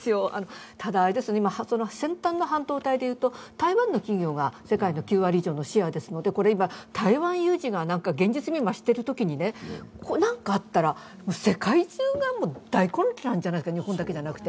ただ、先端の半導体でいうと台湾の企業が世界の９割以上のシェアですので、台湾有事が現実味を増しているときに何かあったら、世界中が大混乱じゃないですか、日本だけじゃなくて。